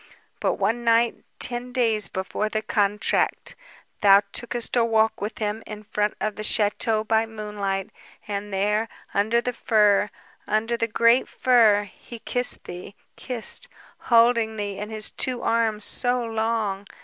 But one night, ten days before the contract, thou tookest a walk with him in front of the chateau by moonlight ... and there ... under the fir, under the great fir ... he kissed thee ... kissed ... holding thee in his two arms ... so long.